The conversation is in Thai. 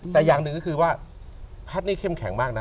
แต่อย่างหนึ่งก็คือว่าแพทย์นี่เข้มแข็งมากนะ